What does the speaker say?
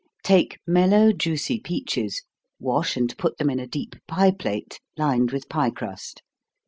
_ Take mellow, juicy peaches wash and put them in a deep pie plate, lined with pie crust.